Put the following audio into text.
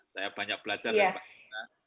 saya banyak belajar dari pak indra